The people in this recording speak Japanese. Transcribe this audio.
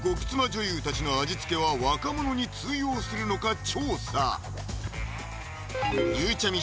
女優たちの味付けは若者に通用するのか調査ゆうちゃみ